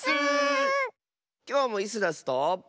きょうもイスダスと。